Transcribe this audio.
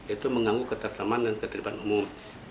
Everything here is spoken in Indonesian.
itu mengganggu keterteman dan ketidakpuan umum